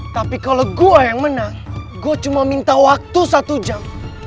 tapi kalo gua yang menang gua cuma minta waktu satu jam